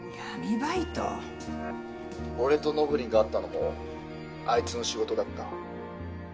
俺とのぶりんが会ったのもあいつの仕事だった。